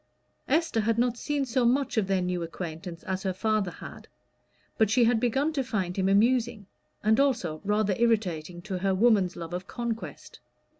Esther had not seen so much of their new acquaintance as her father had. But she had begun to find him amusing, and also rather irritating to her woman's love of conquest.